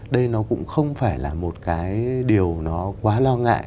đây nó cũng không phải là một cái điều nó quá lo ngại